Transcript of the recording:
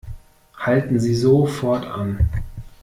Halten Sie sofort an!